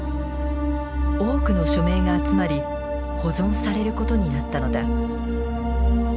多くの署名が集まり保存されることになったのだ。